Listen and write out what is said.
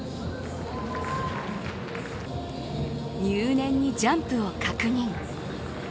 入念にジャンプを確認。